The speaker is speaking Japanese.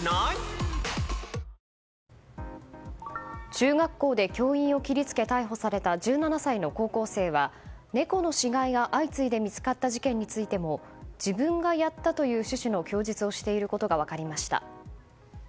中学校で教員を切り付け逮捕された１７歳の高校生は猫の死骸が相次いで見つかった事件についても自分がやったという趣旨の供述をしていることが分かりました。